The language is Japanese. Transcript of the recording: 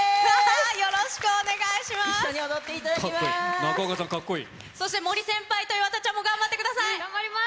よろしくお願いします。